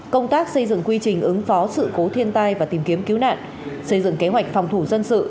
công tác xây dựng quy trình ứng phó sự cố thiên tai và tìm kiếm cứu nạn xây dựng kế hoạch phòng thủ dân sự